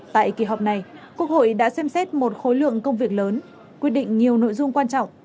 tại kỳ họp này quốc hội đã xem xét một khối lượng công việc lớn quyết định nhiều nội dung quan trọng